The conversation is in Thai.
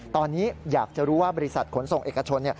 ตอนนี้อยากจะรู้ว่าบริษัทขนส่งเอกชน